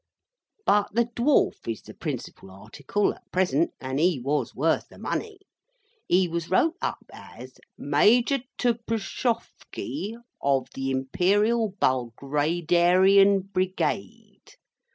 But, the Dwarf is the principal article at present, and he was worth the money. He was wrote up as MAJOR TPSCHOFFKI, OF THE IMPERIAL BULGRADERIAN BRIGADE.